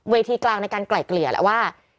ทีกลางในการไกล่เกลี่ยแล้วว่า